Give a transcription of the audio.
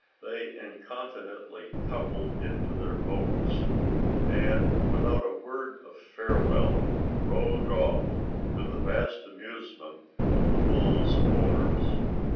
They incontinently tumbled into their boats, and, without a word of farewell, rowed off, to the vast amusement of the bull's owners.